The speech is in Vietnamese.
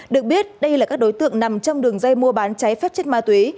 được biết đây là các đối tượng nằm trong đường dây mua bán cháy phép chất ma túy